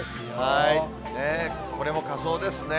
これも仮装ですね。